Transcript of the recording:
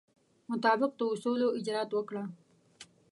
مطابق د اصولو اجرات وکړه.